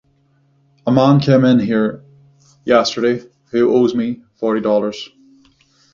A man came in here yesterday who owes me forty dollars.